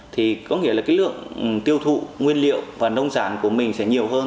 thì có nghĩa là cái lượng tiêu thụ nguyên liệu và nông sản của mình sẽ nhiều hơn